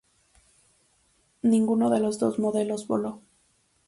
Ninguno de los dos modelos voló.